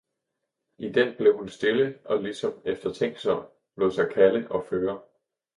i den blev hun stille og ligesom eftertænksom, lod sig kalde og føre.